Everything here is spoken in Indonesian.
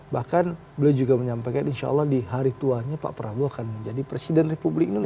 bahkan beliau juga menyampaikan insya allah di hari tuanya pak prabowo akan menjadi presiden republik indonesia